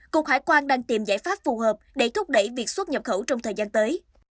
cục hải quan đang tìm giải pháp phù hợp để thúc đẩy việc xuất nhập khẩu trong thời gian tới